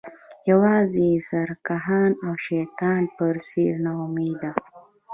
یوازې سرکښان او د شیطان په څیر ناامیده